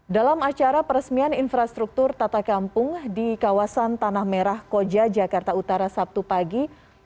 dalam acara peresmian infrastruktur tata kampung di kawasan tanah merah koja jakarta utara sabtu pagi